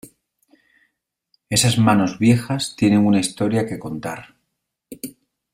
Esas manos viejas tienen una historia que contar.